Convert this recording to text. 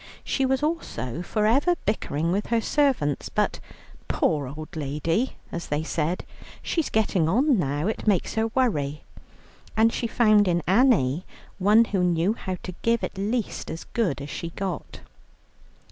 She was also for ever bickering with her servants, but "poor old lady" as they said, "she's getting on now, it makes her worry," and she found in Annie one who knew how to give at least as good as she got.